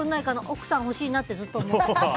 奥さんが欲しいなってずっと思ってた。